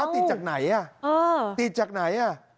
ติดจากไหนติดจากไหน